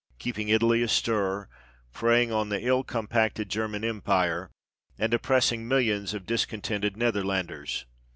keeping Italy astir, preying on the ill compacted German Empire, and oppressing millions of discontented Netherlanders.